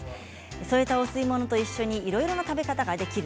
添えたお吸い物と一緒にいろいろな食べ方ができる